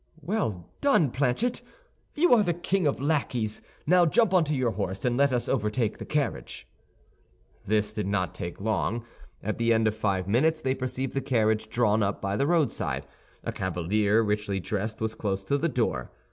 "Well done, Planchet! you are the king of lackeys. Now jump onto your horse, and let us overtake the carriage." This did not take long. At the end of five minutes they perceived the carriage drawn up by the roadside; a cavalier, richly dressed, was close to the door.